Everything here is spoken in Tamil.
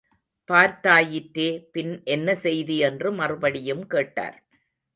பார்த்தாயிற்றே பின் என்ன செய்தி என்று மறுபடியும் கேட்டார்.